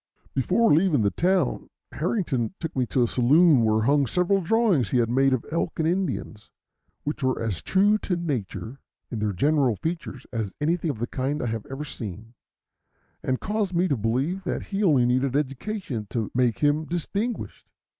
Before leaving the town, Harrington took me to a saloon where hung several drawings he had made of elk and Indians, which were as true to nature in their general features as anything of the kind I have ever seen, and caused me to believe that he only needed education to make him distinguished.